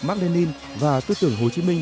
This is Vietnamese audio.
mark lenin và tư tưởng hồ chí minh